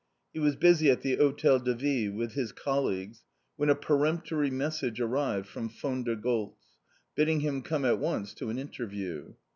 He was busy at the Hotel de Ville with his colleagues when a peremptory message arrived from Von der Goltz, bidding him come at once to an interview.